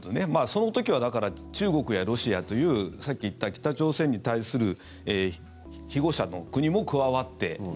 その時はだから中国やロシアというさっき言った、北朝鮮に対する庇護者の国も加わって。